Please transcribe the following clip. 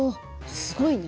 すごいね。